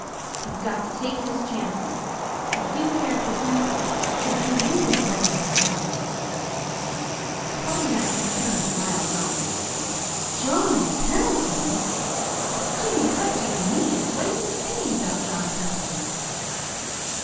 He's got to take his chances. If you care for him if you really care for him " But Pollyanna had turned, wild eyed. "JOHN PENDLETON! Jimmy, what do you mean? What are you saying about John Pendleton?"